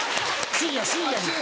深夜深夜に。